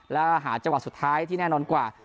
แล้วหาจังหวะสุดท้ายที่แน่นอนกว่า